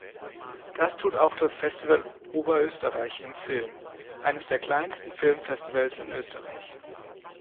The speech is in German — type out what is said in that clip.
Das tut auch das Festival Oberösterreich im Film, eines der kleinsten Filmfestivals in Österreich.